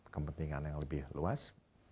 kepentingan yang lebih luas